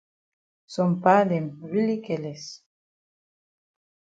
Some pa dem really careless.